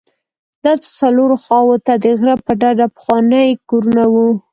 دلته څلورو خواوو ته د غره په ډډه پخواني کورونه وو.